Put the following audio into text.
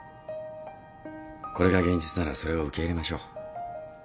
これが現実ならそれを受け入れましょう。